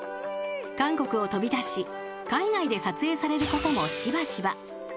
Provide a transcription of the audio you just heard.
［韓国を飛び出し海外で撮影されることもしばしば］